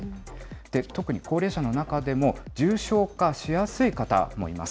で、特に高齢者の中でも、重症化しやすい方もいます。